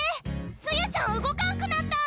梅雨ちゃん動かんくなった。